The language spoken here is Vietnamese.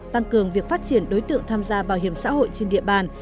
tăng cường việc phát triển đối tượng tham gia bảo hiểm xã hội trên địa bàn